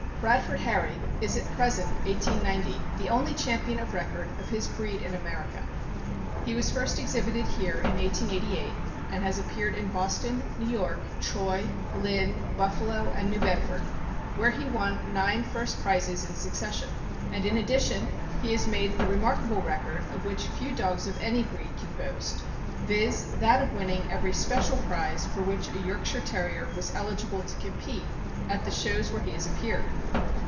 Bradford Harry is at present (1890) the only champion 454 THE AMERICAN BOOK OF THE DOG. of record of his breed in America. He was first exhibited here in 1888, and has appeared in Boston, New York, Troy, Lynn, Buffalo, and New Bedford, where he won nine first prizes in succession ; and, in addition, he has made the remarkable record of which few dogs of any breed can boast, viz., that of winning every special prize for which a Yorkshire Terrier was eligible to compete at the §hows where he has appeared.